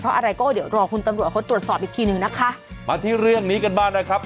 เพราะอะไรก็เดี๋ยวรอคุณตำรวจเขาตรวจสอบอีกทีหนึ่งนะคะมาที่เรื่องนี้กันบ้างนะครับ